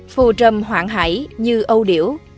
phù trầm hoạn hải như âu điểu